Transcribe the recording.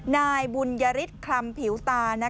นายบุญยฤทธิคลำผิวตา